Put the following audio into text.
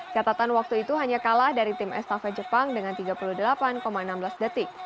catatan waktu itu hanya kalah dari tim estafet jepang dengan tiga puluh delapan enam belas detik